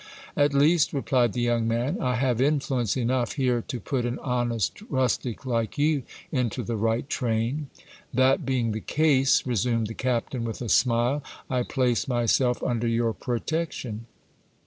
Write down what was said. At least, replied the young man, I have influence enough here to put an honest rustic like you into the right train. That being the case, resumed the captain with a smile, I place myself under DON ANNIBAL MEETS WITH PEDRILLO. 259 your protection.